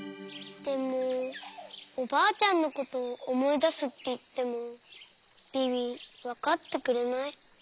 でもおばあちゃんのことおもいだすっていってもビビわかってくれない。